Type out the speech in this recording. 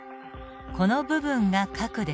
この部分が核です。